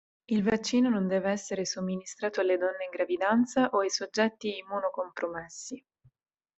Il vaccino non deve essere somministrato alle donne in gravidanza o ai soggetti immunocompromessi.